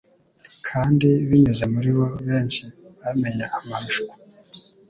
kandi binyuze muri bo benshi bamenye amarushwa